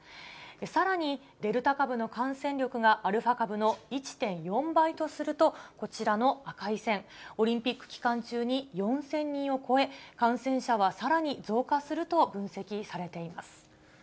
さらに、デルタ株の感染力がアルファ株の１．４倍とすると、こちらの赤い線、オリンピック期間中に４０００人を超え、感染者がさらに増加すると分析されています。